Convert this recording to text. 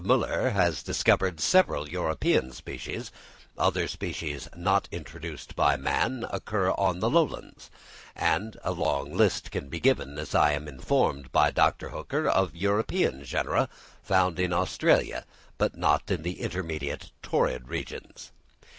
Müller has discovered several European species; other species, not introduced by man, occur on the lowlands; and a long list can be given, as I am informed by Dr. Hooker, of European genera, found in Australia, but not in the intermediate torrid regions.